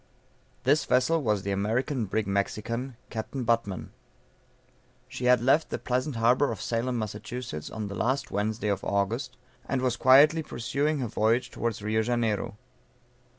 This vessel was the American brig Mexican, Capt. Butman. She had left the pleasant harbor of Salem, Mass., on the last Wednesday of August, and was quietly pursuing her voyage towards Rio Janeiro.